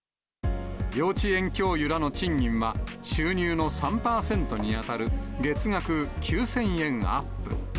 幼稚園教諭らの賃金は、収入の３％に当たる月額９０００円アップ。